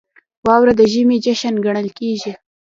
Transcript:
• واوره د ژمي جشن ګڼل کېږي.